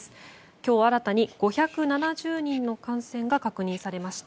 今日新たに５７０人の感染が確認されました。